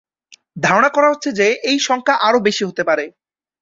ধারণা করা হচ্ছে যে, এই সংখ্যা আরও বেশি হতে পারে।